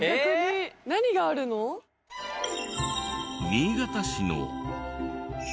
新潟市の。